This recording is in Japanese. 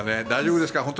大丈夫ですか？